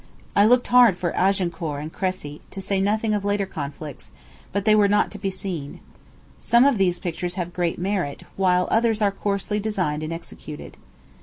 I looked hard for Agincourt and Cressy; to say nothing of later conflicts, but they were not to be seen. Some of these pictures have great merit, while others are coarsely designed and executed.